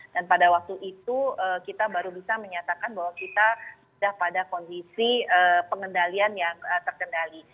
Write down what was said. dan pada waktu itu kita baru bisa menyatakan bahwa kita sudah pada kondisi pengendalian yang terkendali